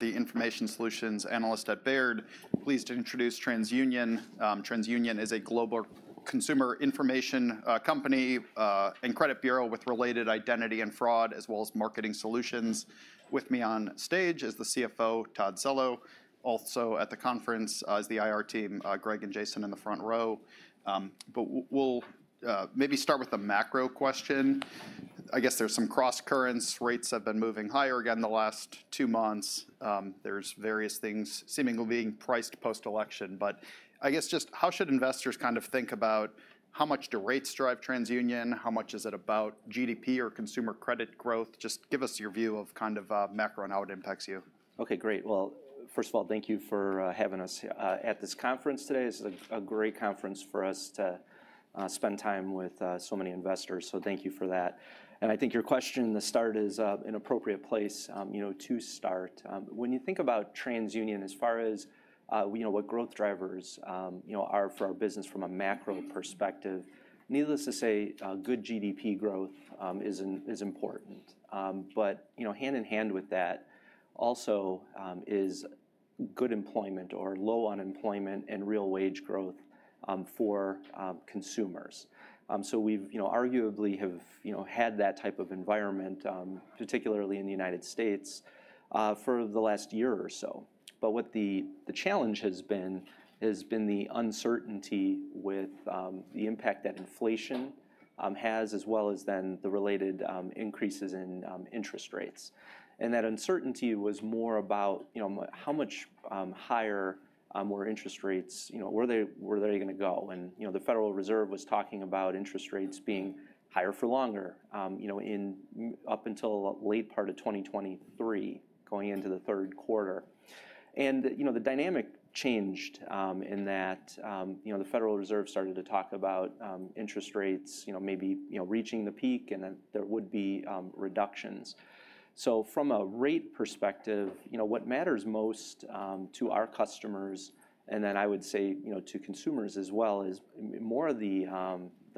The Information Solutions Analyst at Baird. Pleased to introduce TransUnion. TransUnion is a global consumer information company and credit bureau with related identity and fraud, as well as marketing solutions. With me on stage is the CFO, Todd Cello. Also at the conference is the IR team, Greg and Jason, in the front row. But we'll maybe start with a macro question. I guess there's some cross-currents. Rates have been moving higher again the last two months. There's various things seemingly being priced post-election. But I guess just how should investors kind of think about how much do rates drive TransUnion? How much is it about GDP or consumer credit growth? Just give us your view of kind of macro and how it impacts you. Okay, great, well, first of all, thank you for having us at this conference today. This is a great conference for us to spend time with so many investors, so thank you for that, and I think your question at the start is in an appropriate place to start. When you think about TransUnion, as far as what growth drivers are for our business from a macro perspective, needless to say, good GDP growth is important, but hand in hand with that also is good employment or low unemployment and real wage growth for consumers, so we've arguably had that type of environment, particularly in the United States, for the last year or so, but what the challenge has been the uncertainty with the impact that inflation has, as well as then the related increases in interest rates. That uncertainty was more about how much higher were interest rates. Where were they going to go? The Federal Reserve was talking about interest rates being higher for longer up until the late part of 2023, going into the third quarter. The dynamic changed in that the Federal Reserve started to talk about interest rates maybe reaching the peak and that there would be reductions. From a rate perspective, what matters most to our customers, and then I would say to consumers as well, is more of the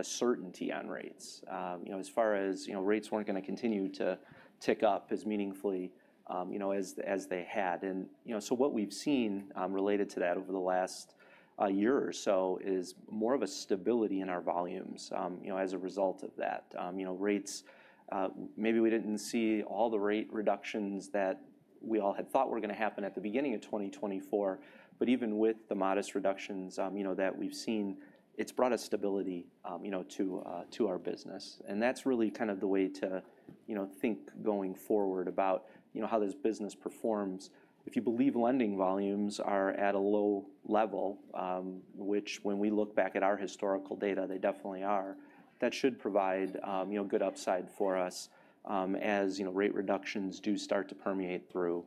certainty on rates. As far as rates weren't going to continue to tick up as meaningfully as they had. What we've seen related to that over the last year or so is more of a stability in our volumes as a result of that. Rates, maybe we didn't see all the rate reductions that we all had thought were going to happen at the beginning of 2024. But even with the modest reductions that we've seen, it's brought us stability to our business. And that's really kind of the way to think going forward about how this business performs. If you believe lending volumes are at a low level, which when we look back at our historical data, they definitely are, that should provide good upside for us as rate reductions do start to permeate through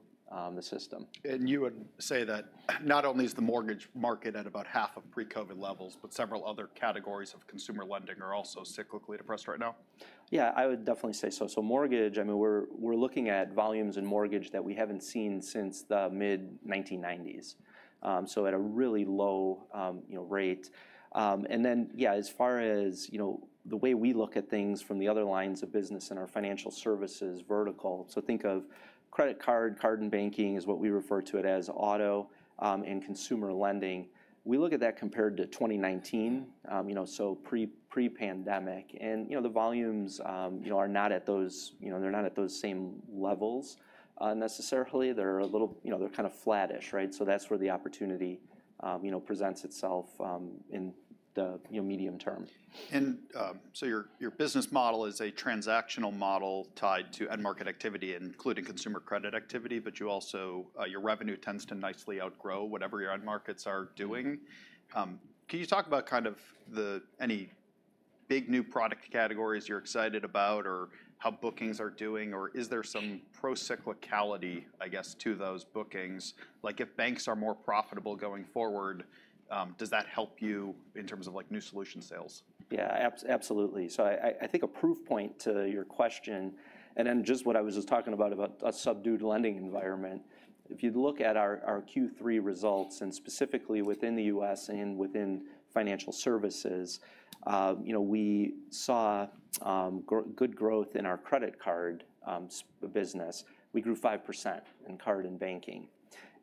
the system. You would say that not only is the mortgage market at about half of pre-COVID levels, but several other categories of consumer lending are also cyclically depressed right now? Yeah, I would definitely say so, so mortgage, I mean, we're looking at volumes in mortgage that we haven't seen since the mid-1990s, so at a really low rate, and then, yeah, as far as the way we look at things from the other lines of business in our financial services vertical, so think of credit card, card and banking is what we refer to it as, auto and consumer lending. We look at that compared to 2019, so pre-pandemic, and the volumes are not at those, they're not at those same levels necessarily. They're a little, they're kind of flattish, right, so that's where the opportunity presents itself in the medium term. And so your business model is a transactional model tied to end market activity, including consumer credit activity, but you also, your revenue tends to nicely outgrow whatever your end markets are doing. Can you talk about kind of any big new product categories you're excited about or how bookings are doing? Or is there some pro-cyclicality, I guess, to those bookings? Like if banks are more profitable going forward, does that help you in terms of new solution sales? Yeah, absolutely. So I think a proof point to your question, and then just what I was just talking about, about a subdued lending environment. If you look at our Q3 results and specifically within the U.S. and within financial services, we saw good growth in our credit card business. We grew 5% in card and banking.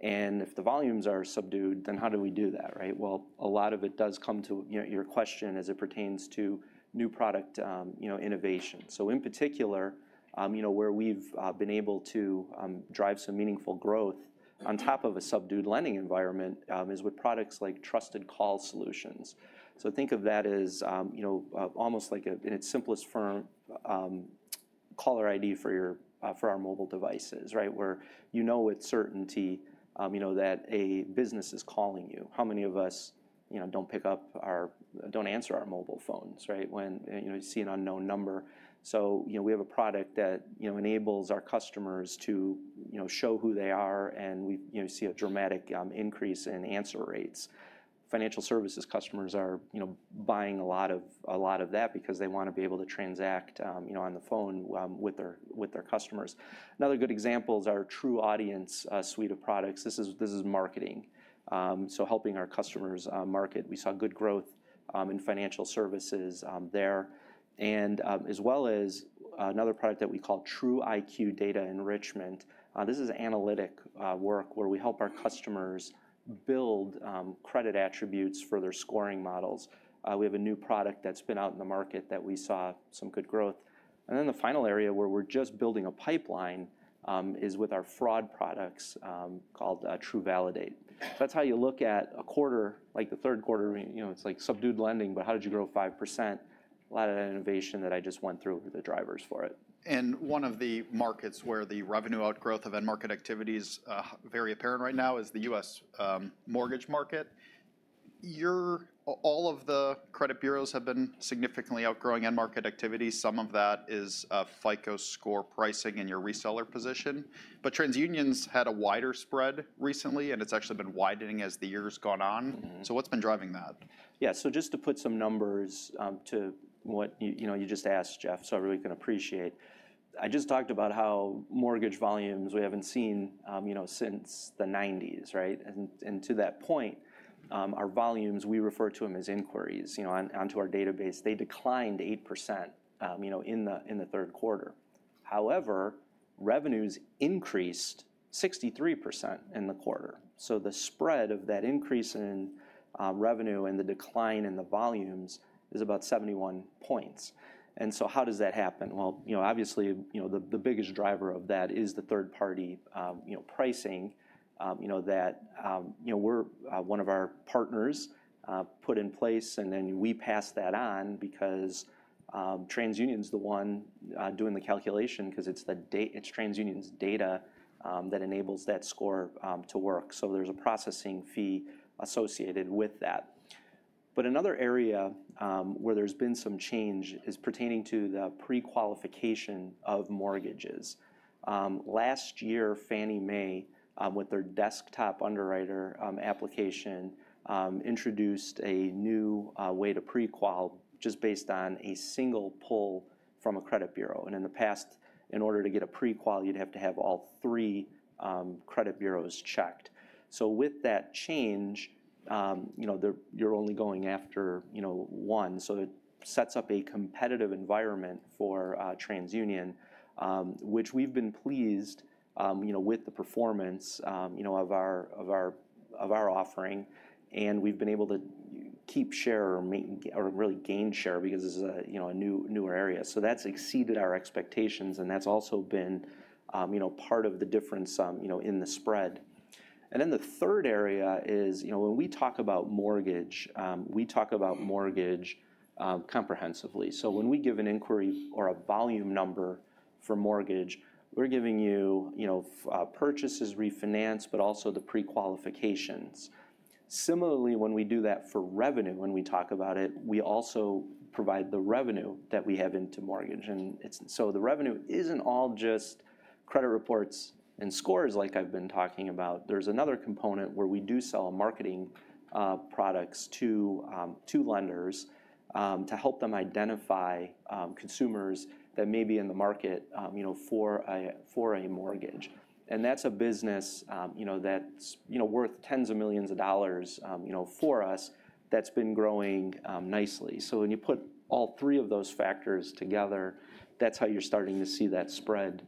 And if the volumes are subdued, then how do we do that, right? Well, a lot of it does come to your question as it pertains to new product innovation. So in particular, where we've been able to drive some meaningful growth on top of a subdued lending environment is with products like Trusted Call Solutions. So think of that as almost like in its simplest form, caller ID for our mobile devices, right? Where you know with certainty that a business is calling you. How many of us don't pick up our, don't answer our mobile phones, right? When you see an unknown number. So we have a product that enables our customers to show who they are and we see a dramatic increase in answer rates. Financial services customers are buying a lot of that because they want to be able to transact on the phone with their customers. Another good example is our TruAudience suite of products. This is marketing. So helping our customers market. We saw good growth in financial services there. And as well as another product that we call TruIQ Data Enrichment. This is analytic work where we help our customers build credit attributes for their scoring models. We have a new product that's been out in the market that we saw some good growth. And then the final area where we're just building a pipeline is with our fraud products called TruValidate. That's how you look at a quarter, like the third quarter. It's like subdued lending, but how did you grow 5%? A lot of that innovation that I just went through are the drivers for it. And one of the markets where the revenue outgrowth of end market activity is very apparent right now is the U.S. mortgage market. All of the credit bureaus have been significantly outgrowing end market activity. Some of that is FICO score pricing in your reseller position. But TransUnion's had a wider spread recently and it's actually been widening as the year's gone on. So what's been driving that? Yeah, so just to put some numbers to what you just asked, Jeff, so I really can appreciate. I just talked about how mortgage volumes we haven't seen since the '90s, right? And to that point, our volumes, we refer to them as inquiries onto our database. They declined 8% in the third quarter. However, revenues increased 63% in the quarter. So the spread of that increase in revenue and the decline in the volumes is about 71 points. And so how does that happen? Well, obviously the biggest driver of that is the third-party pricing that one of our partners put in place and then we passed that on because TransUnion's the one doing the calculation because it's TransUnion's data that enables that score to work. So there's a processing fee associated with that. But another area where there's been some change is pertaining to the pre-qualification of mortgages. Last year, Fannie Mae, with their Desktop Underwriter application, introduced a new way to pre-qual just based on a single pull from a credit bureau. And in the past, in order to get a pre-qual, you'd have to have all three credit bureaus checked. So with that change, you're only going after one. So it sets up a competitive environment for TransUnion, which we've been pleased with the performance of our offering. And we've been able to keep share or really gain share because this is a newer area. So that's exceeded our expectations and that's also been part of the difference in the spread. And then the third area is when we talk about mortgage, we talk about mortgage comprehensively. So when we give an inquiry or a volume number for mortgage, we're giving you purchases, refinance, but also the pre-qualifications. Similarly, when we do that for revenue, when we talk about it, we also provide the revenue that we have into mortgage. And so the revenue isn't all just credit reports and scores like I've been talking about. There's another component where we do sell marketing products to lenders to help them identify consumers that may be in the market for a mortgage. And that's a business that's worth tens of millions of dollars for us that's been growing nicely. So when you put all three of those factors together, that's how you're starting to see that spread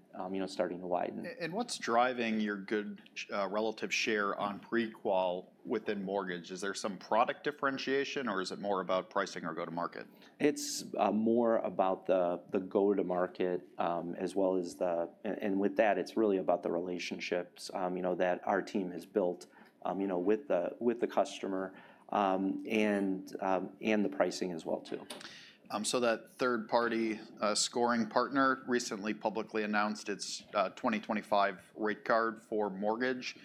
starting to widen. What's driving your good relative share on pre-qual within mortgage? Is there some product differentiation or is it more about pricing or go-to-market? It's more about the go-to-market as well as the, and with that, it's really about the relationships that our team has built with the customer and the pricing as well too. That third-party scoring partner recently publicly announced its 2025 rate card for mortgage.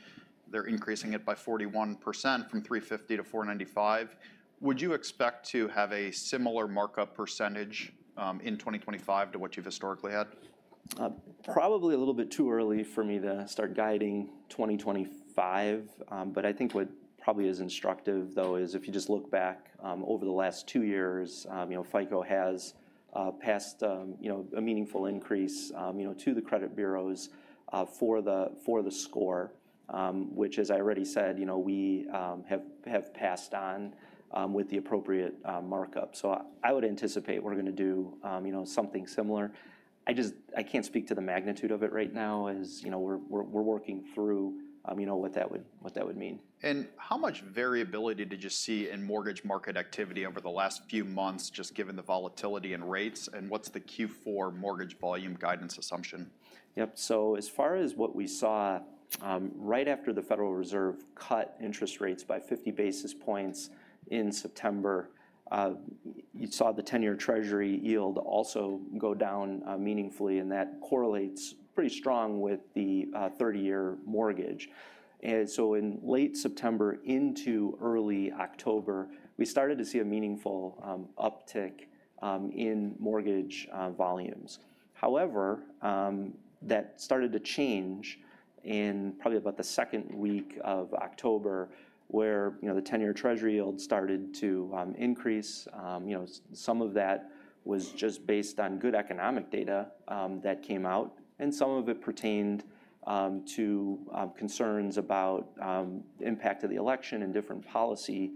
They're increasing it by 41% from 350 to 495. Would you expect to have a similar markup percentage in 2025 to what you've historically had? Probably a little bit too early for me to start guiding 2025. But I think what probably is instructive though is if you just look back over the last two years, FICO has passed a meaningful increase to the credit bureaus for the score, which, as I already said, we have passed on with the appropriate markup. So I would anticipate we're going to do something similar. I can't speak to the magnitude of it right now as we're working through what that would mean. How much variability did you see in mortgage market activity over the last few months just given the volatility in rates? What's the Q4 mortgage volume guidance assumption? Yep. So as far as what we saw, right after the Federal Reserve cut interest rates by 50 basis points in September, you saw the 10-year Treasury yield also go down meaningfully. And that correlates pretty strong with the 30-year mortgage. And so in late September into early October, we started to see a meaningful uptick in mortgage volumes. However, that started to change in probably about the second week of October where the 10-year Treasury yield started to increase. Some of that was just based on good economic data that came out. And some of it pertained to concerns about the impact of the election and different policy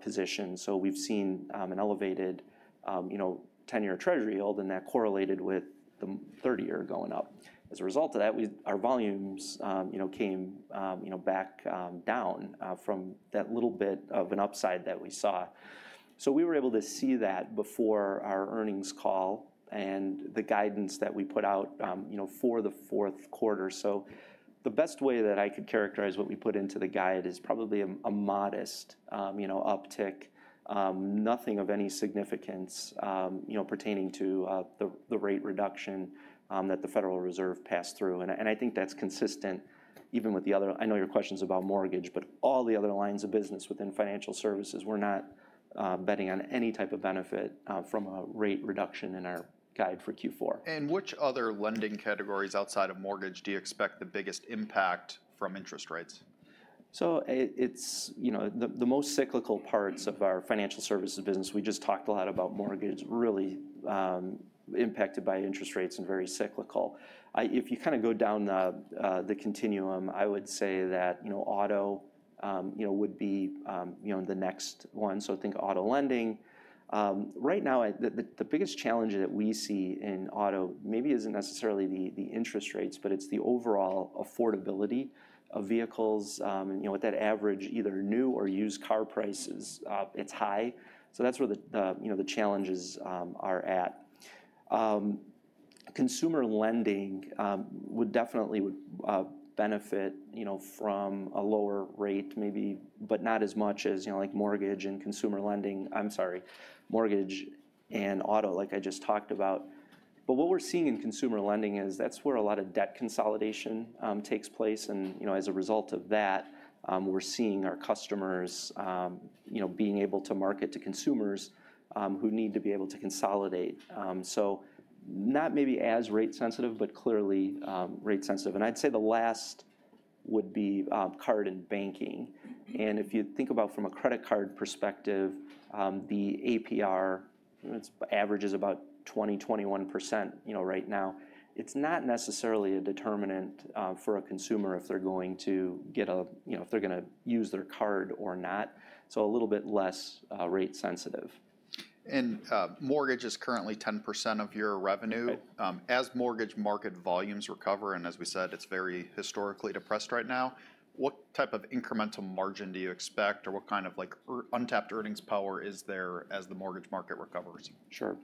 positions. So we've seen an elevated 10-year Treasury yield and that correlated with the 30-year going up. As a result of that, our volumes came back down from that little bit of an upside that we saw. So we were able to see that before our earnings call and the guidance that we put out for the fourth quarter. So the best way that I could characterize what we put into the guide is probably a modest uptick, nothing of any significance pertaining to the rate reduction that the Federal Reserve passed through. And I think that's consistent even with the other, I know your question's about mortgage, but all the other lines of business within financial services, we're not betting on any type of benefit from a rate reduction in our guide for Q4. Which other lending categories outside of mortgage do you expect the biggest impact from interest rates? So the most cyclical parts of our financial services business, we just talked a lot about mortgage, really impacted by interest rates and very cyclical. If you kind of go down the continuum, I would say that auto would be the next one. So think auto lending. Right now, the biggest challenge that we see in auto maybe isn't necessarily the interest rates, but it's the overall affordability of vehicles. And with that average, either new or used car prices, it's high. So that's where the challenges are at. Consumer lending would definitely benefit from a lower rate maybe, but not as much as like mortgage and consumer lending, I'm sorry, mortgage and auto like I just talked about. But what we're seeing in consumer lending is that's where a lot of debt consolidation takes place. As a result of that, we're seeing our customers being able to market to consumers who need to be able to consolidate. So not maybe as rate sensitive, but clearly rate sensitive. The last would be card and banking. If you think about from a credit card perspective, the APR, its average is about 20%-21% right now. It's not necessarily a determinant for a consumer if they're going to get a, if they're going to use their card or not. A little bit less rate sensitive. Mortgage is currently 10% of your revenue. As mortgage market volumes recover, and as we said, it's very historically depressed right now, what type of incremental margin do you expect or what kind of untapped earnings power is there as the mortgage market recovers? Sure.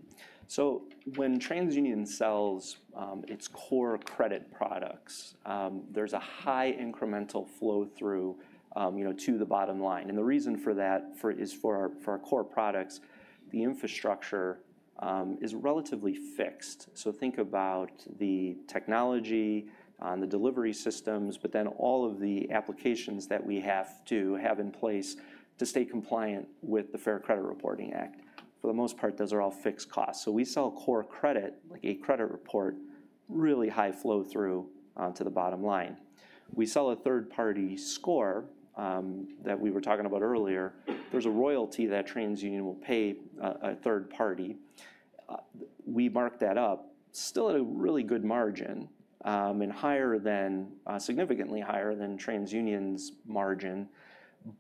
So when TransUnion sells its core credit products, there's a high incremental flow through to the bottom line. And the reason for that is for our core products, the infrastructure is relatively fixed. So think about the technology, the delivery systems, but then all of the applications that we have to have in place to stay compliant with the Fair Credit Reporting Act. For the most part, those are all fixed costs. So we sell core credit, like a credit report, really high flow through to the bottom line. We sell a third-party score that we were talking about earlier. There's a royalty that TransUnion will pay a third party. We mark that up, still at a really good margin and higher than, significantly higher than TransUnion's margin,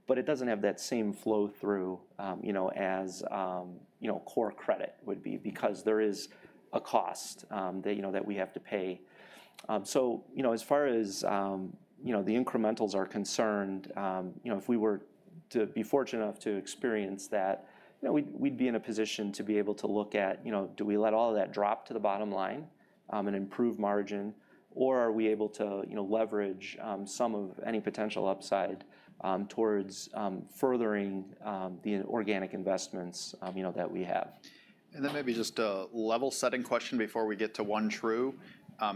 but it doesn't have that same flow through as core credit would be because there is a cost that we have to pay. So as far as the incrementals are concerned, if we were to be fortunate enough to experience that, we'd be in a position to be able to look at, do we let all of that drop to the bottom line and improve margin, or are we able to leverage some of any potential upside towards furthering the organic investments that we have? Then maybe just a level-setting question before we get to OneTru.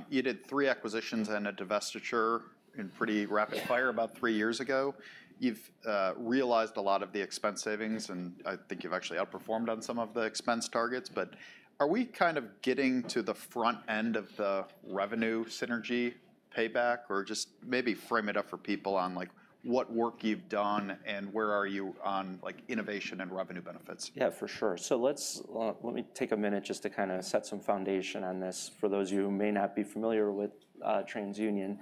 You did three acquisitions and a divestiture in pretty rapid fire about three years ago. You've realized a lot of the expense savings and I think you've actually outperformed on some of the expense targets. But are we kind of getting to the front end of the revenue synergy payback or just maybe frame it up for people on what work you've done and where are you on innovation and revenue benefits? Yeah, for sure. So let me take a minute just to kind of set some foundation on this for those of you who may not be familiar with TransUnion.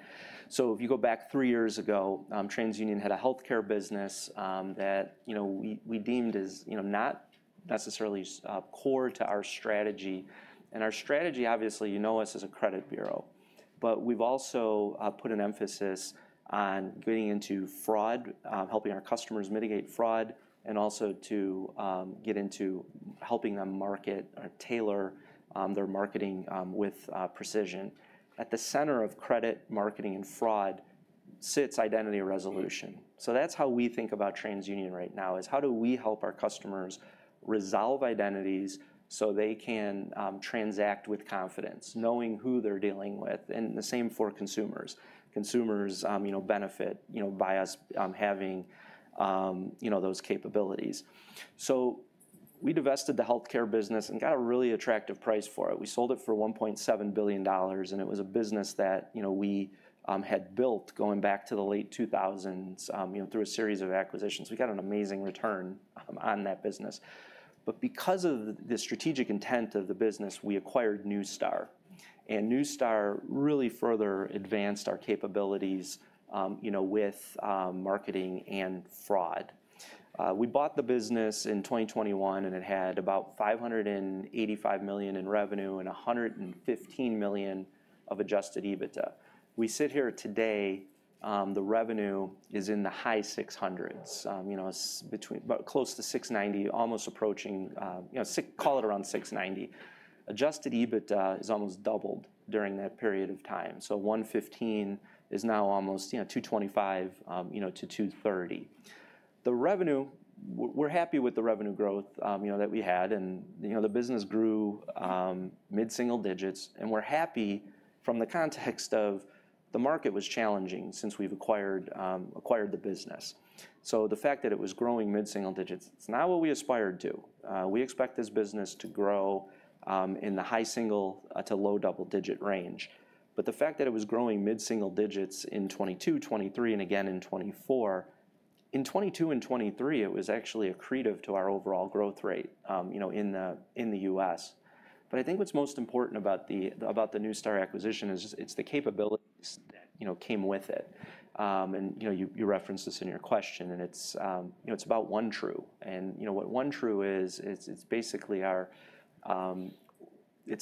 So if you go back three years ago, TransUnion had a healthcare business that we deemed as not necessarily core to our strategy. And our strategy, obviously, you know us as a credit bureau, but we've also put an emphasis on getting into fraud, helping our customers mitigate fraud, and also to get into helping them market or tailor their marketing with precision. At the center of credit marketing and fraud sits identity resolution. So that's how we think about TransUnion right now is how do we help our customers resolve identities so they can transact with confidence, knowing who they're dealing with and the same for consumers. Consumers benefit by us having those capabilities. So we divested the healthcare business and got a really attractive price for it. We sold it for $1.7 billion and it was a business that we had built going back to the late 2000s through a series of acquisitions. We got an amazing return on that business. But because of the strategic intent of the business, we acquired Neustar. And Neustar really further advanced our capabilities with marketing and fraud. We bought the business in 2021 and it had about $585 million in revenue and $115 million of adjusted EBITDA. We sit here today, the revenue is in the high 600s, close to $690, almost approaching, call it around $690. Adjusted EBITDA has almost doubled during that period of time. So $115 is now almost $225-$230. The revenue, we're happy with the revenue growth that we had. And the business grew mid-single digits and we're happy from the context of the market was challenging since we've acquired the business. So the fact that it was growing mid-single digits, it's not what we aspired to. We expect this business to grow in the high single to low double-digit range. But the fact that it was growing mid-single digits in 2022, 2023, and again in 2024, in 2022 and 2023, it was actually a contributor to our overall growth rate in the U.S. But I think what's most important about the Neustar acquisition is it's the capabilities that came with it. And you referenced this in your question and it's about OneTru. And what OneTru is, it's basically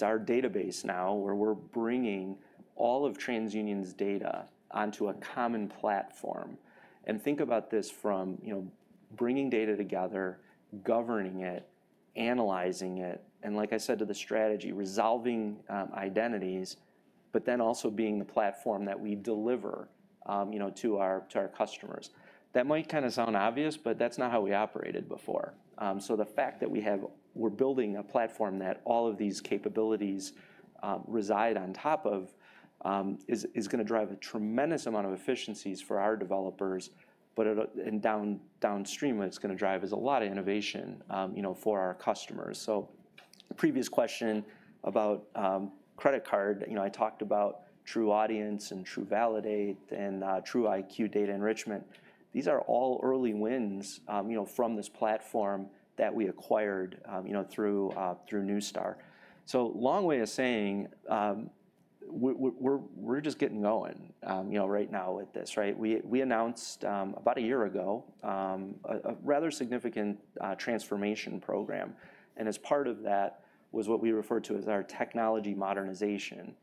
our database now where we're bringing all of TransUnion's data onto a common platform. Think about this from bringing data together, governing it, analyzing it, and like I said to the strategy, resolving identities, but then also being the platform that we deliver to our customers. That might kind of sound obvious, but that's not how we operated before. The fact that we're building a platform that all of these capabilities reside on top of is going to drive a tremendous amount of efficiencies for our developers. Downstream, it's going to drive us a lot of innovation for our customers. Previous question about credit card, I talked about TruAudience and TruValidate and TruIQ data enrichment. These are all early wins from this platform that we acquired through Neustar. Long way of saying, we're just getting going right now with this. We announced about a year ago a rather significant transformation program. As part of that was what we refer to as our technology modernization.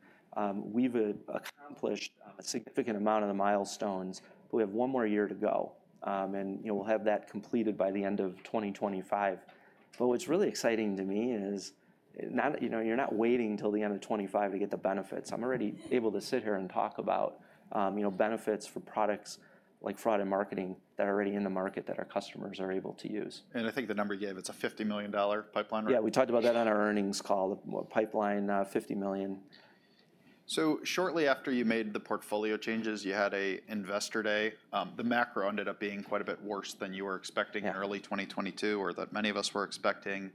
We've accomplished a significant amount of the milestones, but we have one more year to go. We'll have that completed by the end of 2025. What's really exciting to me is you're not waiting until the end of 2025 to get the benefits. I'm already able to sit here and talk about benefits for products like fraud and marketing that are already in the market that our customers are able to use. And I think the number you gave, it's a $50 million pipeline? Yeah, we talked about that on our earnings call, the pipeline $50 million. So shortly after you made the portfolio changes, you had an investor day. The macro ended up being quite a bit worse than you were expecting in early 2022 or that many of us were expecting.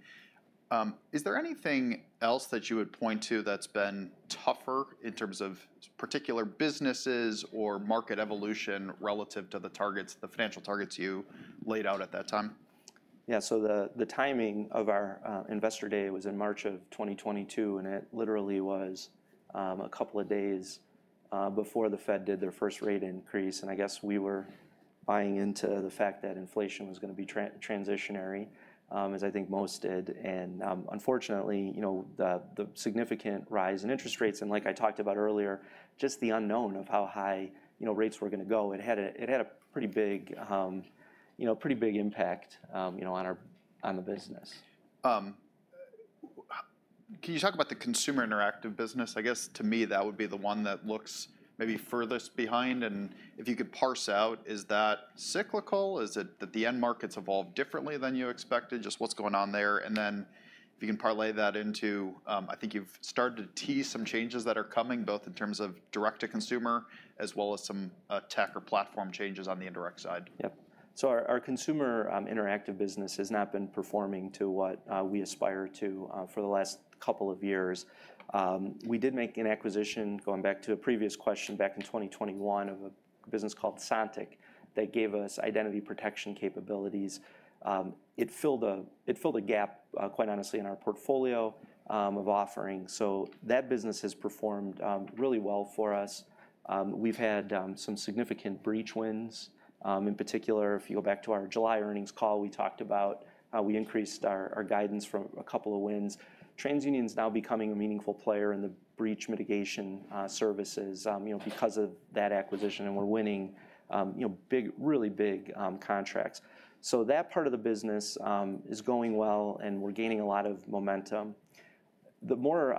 Is there anything else that you would point to that's been tougher in terms of particular businesses or market evolution relative to the targets, the financial targets you laid out at that time? Yeah. So the timing of our investor day was in March of 2022. And it literally was a couple of days before the Fed did their first rate increase. And I guess we were buying into the fact that inflation was going to be transitory, as I think most did. And unfortunately, the significant rise in interest rates and like I talked about earlier, just the unknown of how high rates were going to go, it had a pretty big impact on the business. Can you talk about the consumer interactive business? I guess to me that would be the one that looks maybe furthest behind. And if you could parse out, is that cyclical? Is it that the end markets evolved differently than you expected? Just what's going on there? And then if you can parlay that into, I think you've started to tease some changes that are coming both in terms of direct-to-consumer as well as some tech or platform changes on the indirect side. Yep. So our consumer interactive business has not been performing to what we aspire to for the last couple of years. We did make an acquisition going back to a previous question back in 2021 of a business called Sontiq that gave us identity protection capabilities. It filled a gap, quite honestly, in our portfolio of offering. So that business has performed really well for us. We've had some significant breach wins. In particular, if you go back to our July earnings call, we talked about how we increased our guidance for a couple of wins. TransUnion's now becoming a meaningful player in the breach mitigation services because of that acquisition, and we're winning really big contracts. So that part of the business is going well and we're gaining a lot of momentum. The more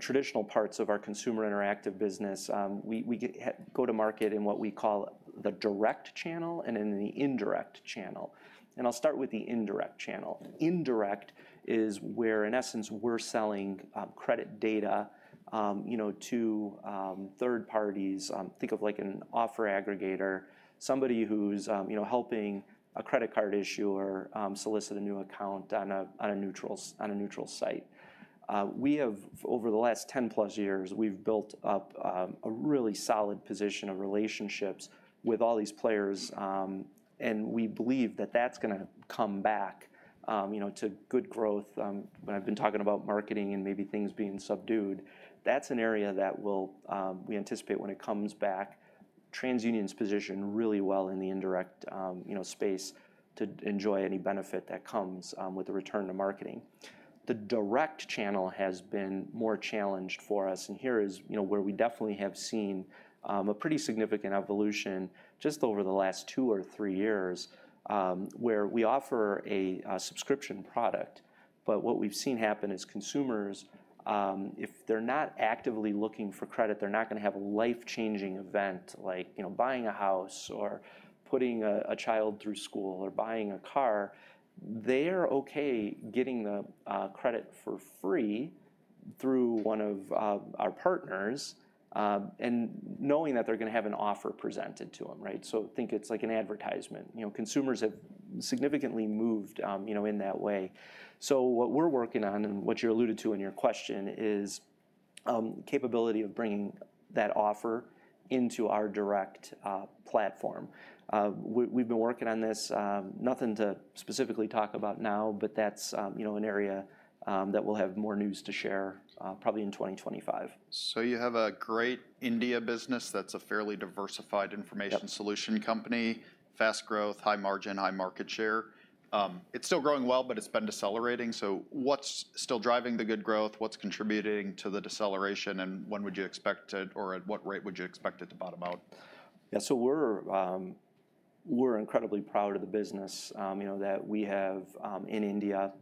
traditional parts of our consumer interactive business, we go to market in what we call the direct channel and in the indirect channel, and I'll start with the indirect channel. Indirect is where, in essence, we're selling credit data to third parties. Think of like an offer aggregator, somebody who's helping a credit card issuer solicit a new account on a neutral site. We have, over the last 10+ years, we've built up a really solid position of relationships with all these players, and we believe that that's going to come back to good growth. When I've been talking about marketing and maybe things being subdued, that's an area that we anticipate when it comes back, TransUnion's position really well in the indirect space to enjoy any benefit that comes with the return to marketing. The direct channel has been more challenged for us. Here is where we definitely have seen a pretty significant evolution just over the last two or three years where we offer a subscription product. But what we've seen happen is consumers, if they're not actively looking for credit, they're not going to have a life-changing event like buying a house or putting a child through school or buying a car. They're okay getting the credit for free through one of our partners and knowing that they're going to have an offer presented to them. So think it's like an advertisement. Consumers have significantly moved in that way. So what we're working on and what you alluded to in your question is capability of bringing that offer into our direct platform. We've been working on this. Nothing to specifically talk about now, but that's an area that we'll have more news to share probably in 2025. So you have a great India business that's a fairly diversified information solution company, fast growth, high margin, high market share. It's still growing well, but it's been decelerating. So what's still driving the good growth? What's contributing to the deceleration? And when would you expect it or at what rate would you expect it to bottom out? Yeah. So we're incredibly proud of the business that we have in India.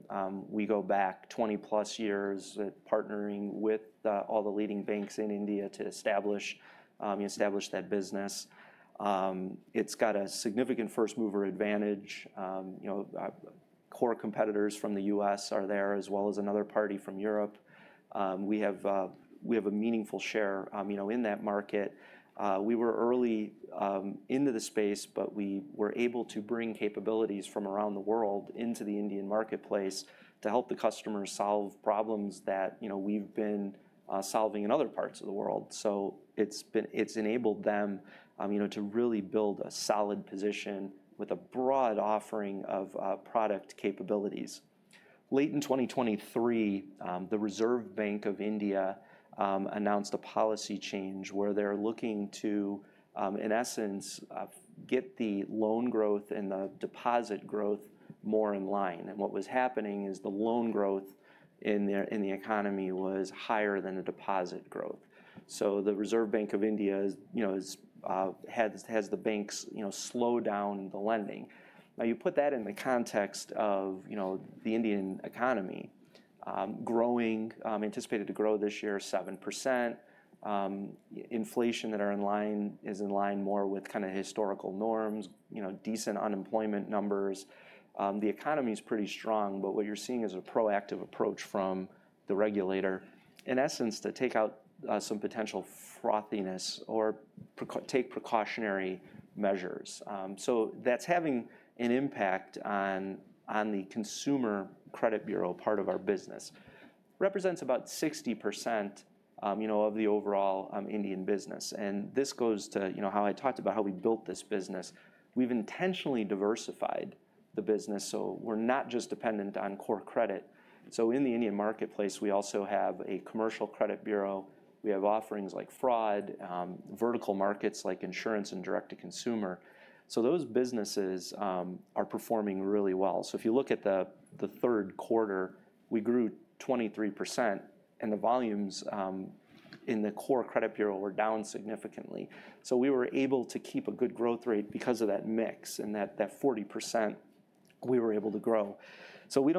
We go back 20+ years partnering with all the leading banks in India to establish that business. It's got a significant first mover advantage. Core competitors from the U.S. are there as well as another party from Europe. We have a meaningful share in that market. We were early into the space, but we were able to bring capabilities from around the world into the Indian marketplace to help the customers solve problems that we've been solving in other parts of the world. So it's enabled them to really build a solid position with a broad offering of product capabilities. Late in 2023, the Reserve Bank of India announced a policy change where they're looking to, in essence, get the loan growth and the deposit growth more in line. What was happening is the loan growth in the economy was higher than the deposit growth. The Reserve Bank of India has the banks slow down the lending. Now you put that in the context of the Indian economy growing, anticipated to grow this year 7%. Inflation that is in line more with kind of historical norms, decent unemployment numbers. The economy is pretty strong, but what you're seeing is a proactive approach from the regulator, in essence, to take out some potential frothiness or take precautionary measures. That's having an impact on the consumer credit bureau part of our business. Represents about 60% of the overall Indian business. This goes to how I talked about how we built this business. We've intentionally diversified the business. We're not just dependent on core credit. In the Indian marketplace, we also have a commercial credit bureau. We have offerings like fraud, vertical markets like insurance and direct-to-consumer. So those businesses are performing really well. So if you look at the third quarter, we grew 23% and the volumes in the core credit bureau were down significantly. So we were able to keep a good growth rate because of that mix and that 40% we were able to grow. So we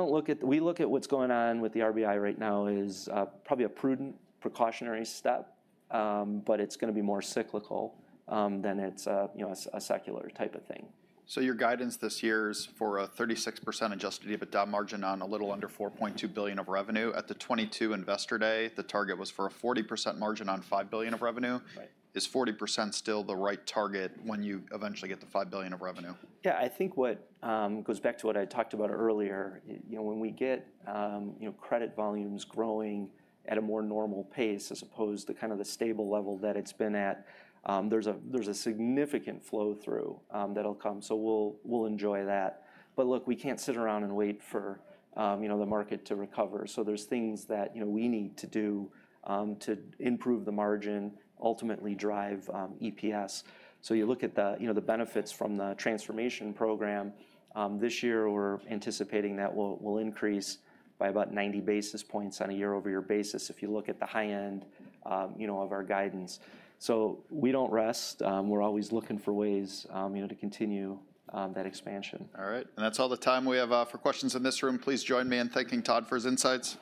look at what's going on with the RBI right now is probably a prudent precautionary step, but it's going to be more cyclical than it's a secular type of thing. So your guidance this year is for a 36% Adjusted EBITDA margin on a little under $4.2 billion of revenue. At the 2022 investor day, the target was for a 40% margin on $5 billion of revenue. Is 40% still the right target when you eventually get to $5 billion of revenue? Yeah. I think what goes back to what I talked about earlier, when we get credit volumes growing at a more normal pace as opposed to kind of the stable level that it's been at, there's a significant flow through that'll come. So we'll enjoy that. But look, we can't sit around and wait for the market to recover. So there's things that we need to do to improve the margin, ultimately drive EPS. So you look at the benefits from the transformation program this year, we're anticipating that will increase by about 90 basis points on a year-over-year basis if you look at the high end of our guidance. So we don't rest. We're always looking for ways to continue that expansion. All right. And that's all the time we have for questions in this room. Please join me in thanking Todd for his insights.